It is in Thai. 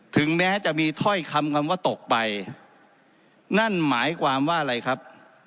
ถึงแม้จะมีถ้อยคำคำว่าตกไปนั่นหมายความว่าอะไรครับ